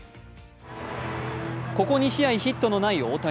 ここ２試合ヒットのない大谷。